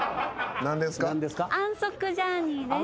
安息ジャーニーです。